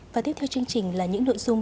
và tiếp theo chương trình là những nội dung